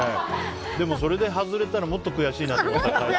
でも、それで外れたらもっと悔しいのに。